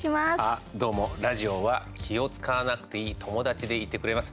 あ、どうもラジオは気を遣わなくていい友達でいてくれます。